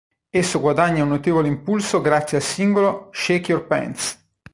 Esso guadagna un notevole impulso grazie al singolo "Shake Your Pants".